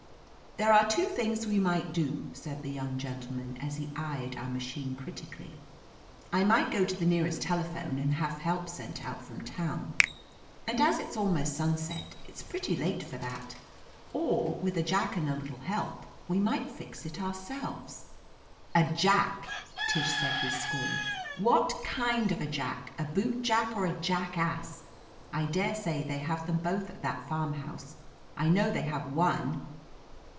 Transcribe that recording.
"There are two things we might do," said the young gentleman as he eyed our ma chine critically. "I might go to the near est telephone and have help sent out from town, but as it's almost sunset it's pretty late 246 OF LETITIA CARBERRY for that; or, with a jack and a little help, we might fix it ourselves." "A jack!" Tish said with scorn. "What kind of a jack — a bootjack or a jackass? I daresay they have them both at that farm house; I know they have one."